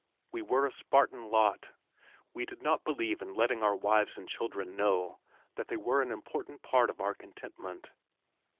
We were a Spartan lot. We did not believe in letting our wives and children know that they were an important part of our contentment.